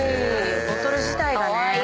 ボトル自体がね。